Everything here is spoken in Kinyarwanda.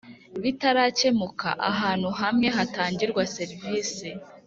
Bitarakemuka ahantu hamwe hatangirwa serivisi